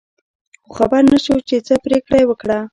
خو خبر نه شو چې څه پرېکړه یې وکړه.